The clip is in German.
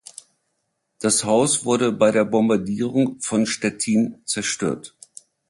Das Haus wurde bei der Bombardierung von Stettin zerstört.